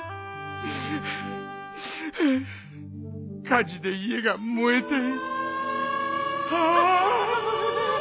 火事で家が燃えて。